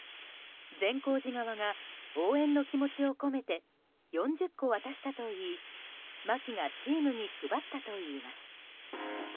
善光寺側が応援の気持ちを込めて４０個渡したといい牧がチームに配ったといいます。